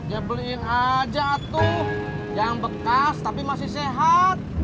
ya beliin aja tuh yang bekas tapi masih sehat